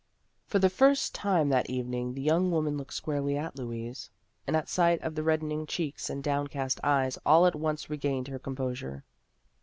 For the first time that evening the young woman looked squarely at Louise, and at sight of the reddening cheeks and downcast eyes all at once regained her composure.